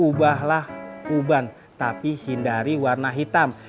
ubahlah uban tapi hindari warna hitam